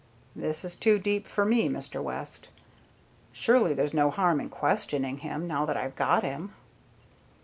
"This is too deep for me, Mr. West. Surely there's no harm in questioning him, now that I've got him."